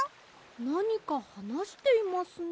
なにかはなしていますね。